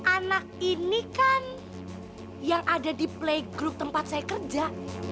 anak ini kan yang ada di play group tempat saya kerja